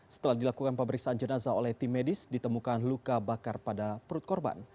setelah dilakukan pemeriksaan jenazah oleh tim medis ditemukan luka bakar pada perut korban